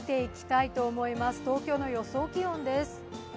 東京の予想気温です。